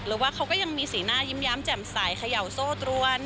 ว่าเขาก็ยังมีสีหน้ายิ้มแย้มแจ่มใสเขย่าโซ่ตรวน